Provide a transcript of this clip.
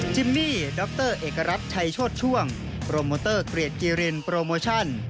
มมี่ดรเอกรัฐชัยโชธช่วงโปรโมเตอร์เกลียดกิรินโปรโมชั่น